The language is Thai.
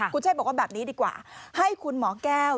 คุณเชษบอกว่าแบบนี้ดีกว่าให้คุณหมอแก้ว